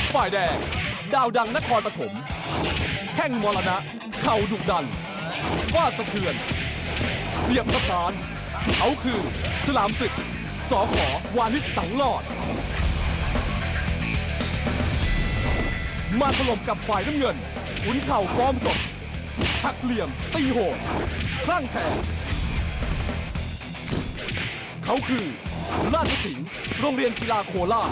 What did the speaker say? พี่โหดคลั่งแขกเขาคือราชสินโรงเรียนกีฬาโคลา